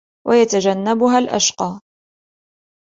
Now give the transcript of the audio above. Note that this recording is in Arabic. ويتجنبها الأشقى